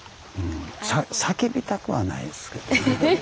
叫びたくはないですけどね。